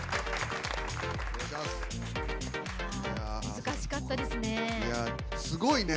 難しかったですね。